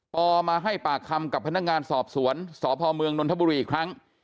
มาให้ปากคำกับพนักงานสอบสวนสพเมืองนนทบุรีอีกครั้ง